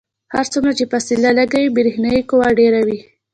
هر څومره چې فاصله لږه وي برېښنايي قوه ډیره وي.